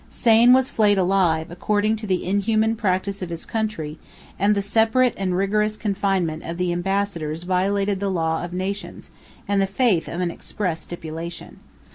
Sain was flayed alive, according to the inhuman practice of his country; and the separate and rigorous confinement of the ambassadors violated the law of nations, and the faith of an express stipulation.